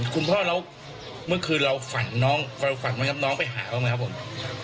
คุณพ่อแล้วเมื่อคืนเราฝันน้องฝันมั้ยครับน้องไปหาเขาไหมครับผม